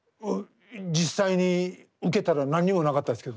実際に受けたら何にもなかったですけどね。